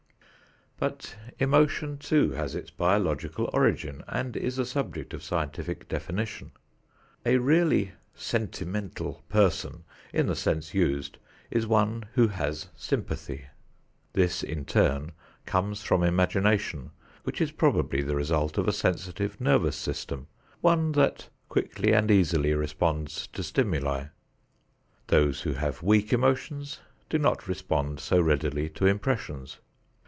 But emotion too has its biological origin and is a subject of scientific definition. A really "sentimental" person, in the sense used, is one who has sympathy. This, in turn, comes from imagination which is probably the result of a sensitive nervous system, one that quickly and easily responds to stimuli. Those who have weak emotions do not respond so readily to impressions.